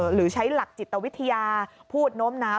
หรือใช้หลักจิตวิทยาพูดโน้มน้าว